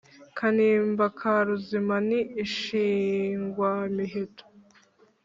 Kanimba ka Ruzima ni Inshingwa-miheto